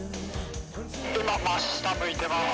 今真下向いてます。